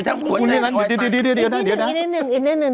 ทั้งหัวใจอีกนิดหนึ่งอีกนิดหนึ่งอีกนิดหนึ่งอีกนิดหนึ่ง